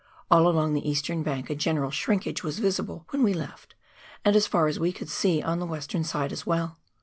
All along the eastern bank a general shrinkage was visible when we left, and, as far as we could see, on the western side as well.